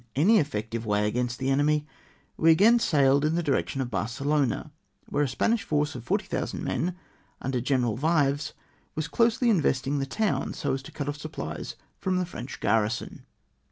any eflective way against the enemy, we again sailed in the direction of Barcelona, where a Spanish force of 40,000 men, mider General Vives, was closely invest ing the town, so as to cut off supphes from the French garrison.